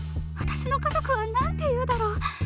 私の家族は何て言うだろう。